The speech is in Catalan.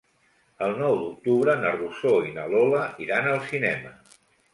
El nou d'octubre na Rosó i na Lola iran al cinema.